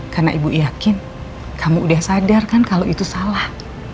karena ibu yakin kamu udah sadar kan kalau itu salah